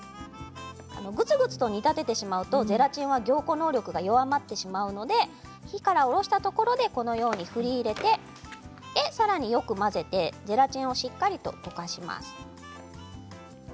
グツグツと煮立ててしまうとゼラチンが凝固能力が弱まってしまうので火から下ろしたところで振り入れてさらによく混ぜてゼラチンをしっかりと溶かします。